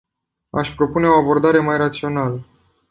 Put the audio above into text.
Aș propune o abordare mai rațională.